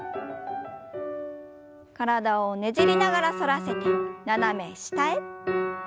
体をねじりながら反らせて斜め下へ。